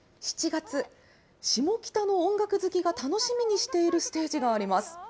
７月、シモキタの音楽好きが楽しみにしているステージがあります。